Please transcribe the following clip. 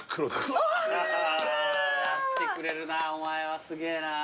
やってくれるなお前はすげえな。